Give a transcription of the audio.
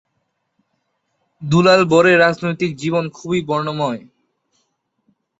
দুলাল বরের রাজনৈতিক জীবন খুবই বর্ণময়।